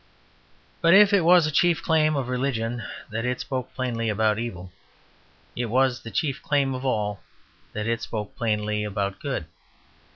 But if it was a chief claim of religion that it spoke plainly about evil, it was the chief claim of all that it spoke plainly about good.